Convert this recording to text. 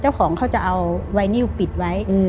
เจ้าของเขาจะเอาไวนิวปิดไว้